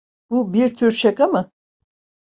Bu bir tür şaka mı?